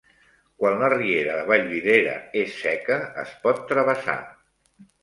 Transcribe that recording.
Quan la riera de Vallvidrera és seca, es pot travessar.